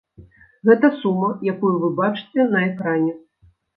Гэта сума, якую вы бачыце на экране.